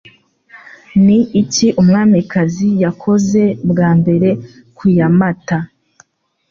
Ni iki Umwamikazi yakoze bwa mbere ku ya Mata